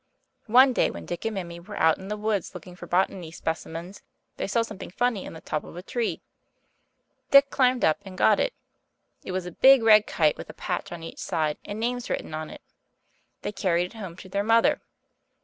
One day when Dick and Mimi were out in the woods looking for botany specimens they saw something funny in the top of a tree. Dick climbed up and got it. It was a big red kite with a patch on each side and names written on it. They carried it home to their mother.